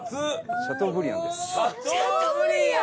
シャトーブリアン！